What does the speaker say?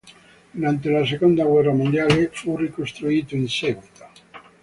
Durante la seconda guerra mondiale fu ricostruito in seguito.